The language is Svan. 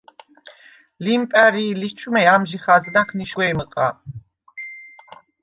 ლიმპა̈რი̄ ლიჩვმე ამჟი ხაზნახ ნიშგვეჲმჷყ-ა: